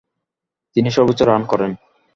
তিনি সর্বোচ্চ রান করেন।